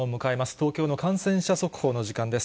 東京の感染者速報の時間です。